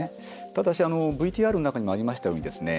ただし、ＶＴＲの中にもありましたようにですね